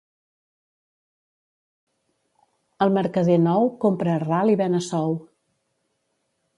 El mercader nou compra a ral i ven a sou.